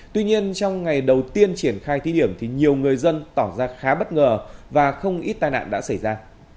tuy nhiên trong ngày đầu tiên triển khai thí điểm thì nhiều người dân tỏ ra khá bất ngờ và không ít tai nạn đã xảy ra